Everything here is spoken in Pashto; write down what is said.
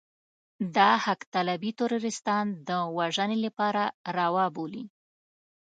دا حق طالبي تروريستان د وژنې لپاره روا بولي.